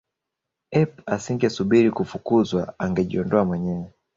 ep asingesubiri kufukuzwa angejiondoa mwenyewe